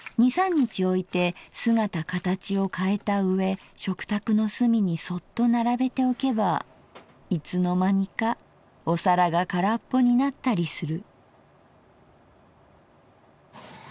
日おいて姿かたちをかえた上食卓の隅にそっと並べておけばいつの間にかお皿がからっぽになったりする」。